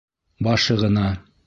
Башы ғына...